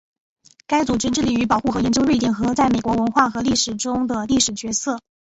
该组织致力于保护和研究瑞典和在美国文化和历史中的历史角色。